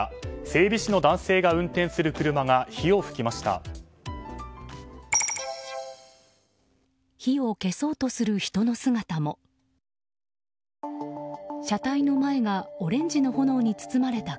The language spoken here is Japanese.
整備士の男性が運転する車から火を噴きました。